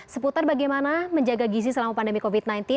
seputar bagaimana menjaga gizi selama pandemi covid sembilan belas